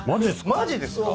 マジですか？